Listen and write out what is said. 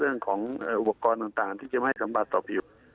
อุปกรณ์ต่างที่จะให้สัมบัติต่อผิว